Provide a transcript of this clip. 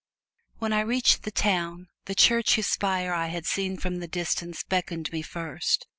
When I reached the town, the church whose spire I had seen from the distance beckoned me first.